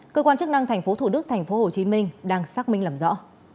cơ quan chức năng thành phố thủ đức thành phố hồ chí minh đang xác minh làm rõ